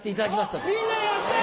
みんなやったよ！